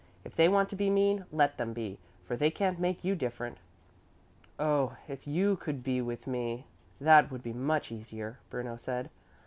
If they want to be mean, let them be, for they can't make you different." "Oh, if you could be with me, that would be much easier," Bruno said.